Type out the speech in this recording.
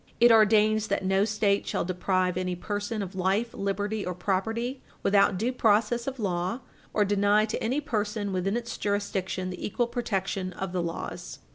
It ordains that no State shall deprive any person of life, liberty, or property without due process of law, or deny to any person within its jurisdiction the equal protection of the laws.